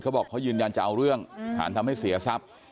บอกเขายืนยันจะเอาเรื่องฐานทำให้เสียทรัพย์